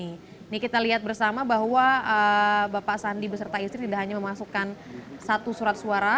ini kita lihat bersama bahwa bapak sandi beserta istri tidak hanya memasukkan satu surat suara